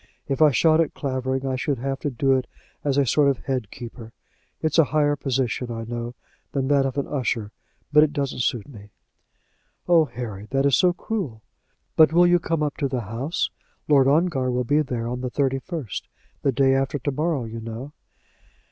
If I shot at Clavering I should have to do it as a sort of head keeper. It's a higher position, I know, than that of an usher, but it doesn't suit me." "Oh, Harry! that is so cruel! But you will come up to the house. Lord Ongar will be there on the thirty first; the day after to morrow, you know."